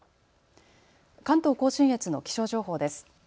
関東甲信越の気象情報です。